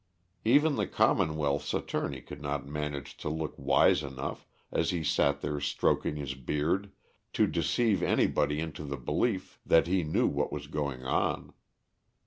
Even the commonwealth's attorney could not manage to look wise enough, as he sat there stroking his beard, to deceive anybody into the belief that he knew what was going on.